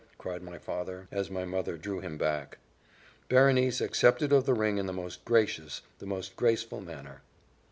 cried my father, as my mother drew him back. Berenice accepted of the ring in the most gracious, the most graceful manner.